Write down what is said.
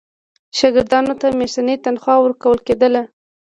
شاګردانو ته میاشتنی تنخوا ورکول کېدله.